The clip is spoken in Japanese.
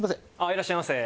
いらっしゃいませ。